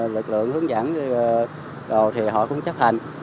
lực lượng hướng dẫn đồ thì họ cũng chấp hành